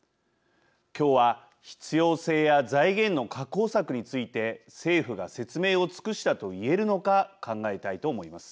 今日は必要性や財源の確保策について政府が説明を尽くしたと言えるのか考えたいと思います。